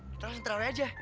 kita langsung terawet aja